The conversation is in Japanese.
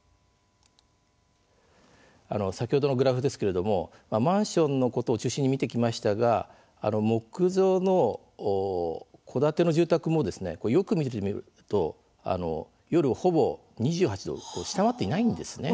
先ほどのグラフですけれどもマンションのことを中心に見てきましたが木造の戸建ての住宅もよく見ると夜、ほぼ２８度を下回っていないんですね。